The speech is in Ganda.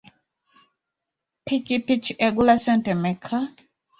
Ppikipiki egula ssente mmeka?